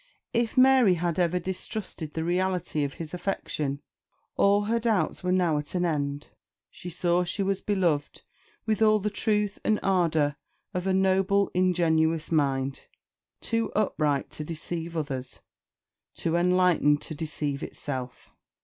If Mary had ever distrusted the reality of his affection, all her doubts were now at an end. She saw she was beloved with all the truth and ardour of a noble ingenuous mind, too upright to deceive others, too enlightened to deceive itself.